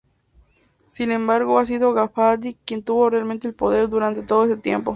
Sin embargo ha sido Gadafi quien tuvo realmente el poder durante todo ese tiempo.